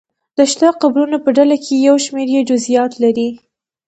د شته قبرونو په ډله کې یو شمېر یې جزییات لري.